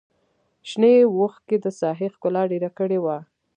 شنې وښکې د ساحې ښکلا ډېره کړې وه.